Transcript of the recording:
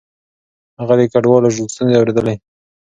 هغه د کډوالو ستونزې اورېدلې.